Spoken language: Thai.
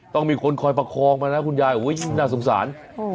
ต้องมีคนคอยประคองมานะคุณยายน่าสงสาร